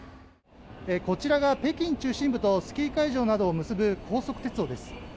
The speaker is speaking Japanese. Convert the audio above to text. こちらが北京中心部とスキー会場などを結ぶ高速鉄道です。